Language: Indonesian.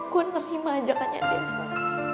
gue nerima ajakannya devon